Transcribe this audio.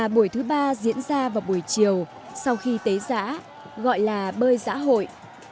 buổi thứ ba diễn ra vào buổi chiều sau khi tế giã gọi là bơi giã hội